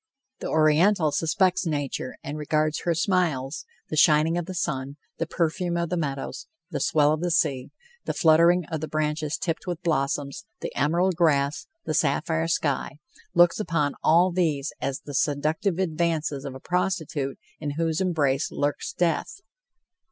The Oriental suspects nature and regards her smiles the shining of the sun, the perfume of the meadows, the swell of the sea, the fluttering of the branches tipped with blossoms, the emerald grass, the sapphire sky looks upon all these as the seductive advances of a prostitute in whose embrace lurks death!